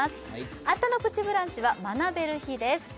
明日の「プチブランチ」は学べる日です